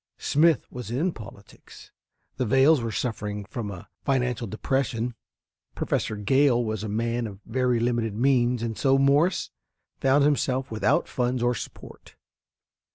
Smith was in politics, the Vails were suffering from a financial depression, Professor Gale was a man of very limited means, and so Morse found himself without funds or support.